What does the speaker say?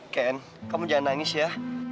ken kamu jangan nangis ya